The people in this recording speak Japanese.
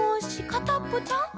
かたっぽちゃん？」